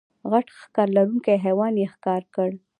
غټ ښکر لرونکی حیوان یې ښکار کړ.